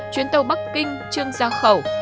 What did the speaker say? chuyến tàu bắc kinh trương giao khẩu